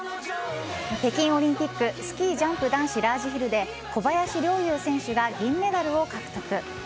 北京オリンピックスキージャンプ男子ラージヒルで小林陵侑選手が銀メダルを獲得。